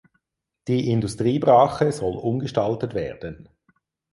Die Industriebrache soll umgestaltet werden.